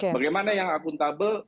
bagaimana yang akuntabel